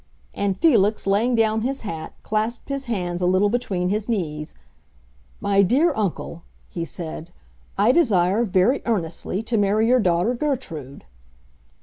And Felix, laying down his hat, clasped his hands a little between his knees. "My dear uncle," he said, "I desire, very earnestly, to marry your daughter Gertrude."